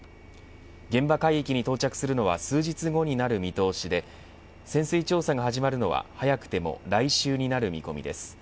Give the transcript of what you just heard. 現場海域に到着するのは数日後になる見通しで潜水調査が始まるのは早くても来週になる見込みです。